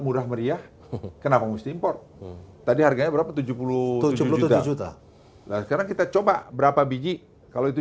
murah meriah kenapa mustiimpor tadi harganya berapa tujuh puluh tujuh juta kita coba berapa biji kalau itu